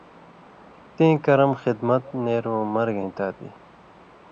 تیں کرم خدمت نېرُوں مرگے تادی